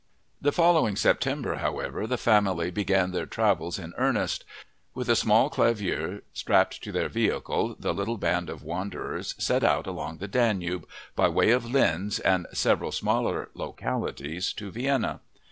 The following September, however, the family began their travels in earnest. With a small clavier strapped to their vehicle the little band of wanderers set out along the Danube by way of Linz and several smaller localities to Vienna.